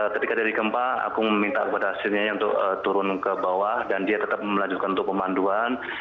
ketika dari gempa aku meminta kepada hasilnya untuk turun ke bawah dan dia tetap melanjutkan untuk pemanduan